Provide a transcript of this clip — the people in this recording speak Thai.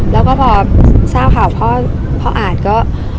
แล้วก็พอทราบข่าวพ่ออาจก็